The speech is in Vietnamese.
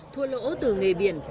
thua lỗ từ nghề biển